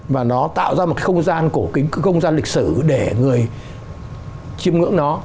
và nó tạo ra một cái không gian cổ kính không gian lịch sử để người chiêm ngưỡng nó